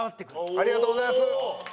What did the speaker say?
ありがとうございます。